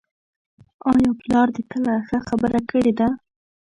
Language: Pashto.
آیا پلار دې کله ښه خبره کړې ده؟